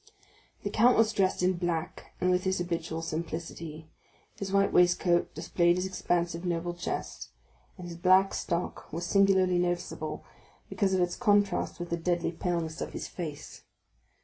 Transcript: The count was dressed in black and with his habitual simplicity; his white waistcoat displayed his expansive noble chest and his black stock was singularly noticeable because of its contrast with the deadly paleness of his face.